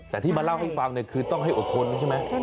แต่ที่มาเล่าให้ฟังคือต้องให้อดทนใช่ไหม